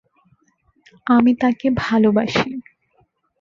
আমি তাকে ভালোবাসি!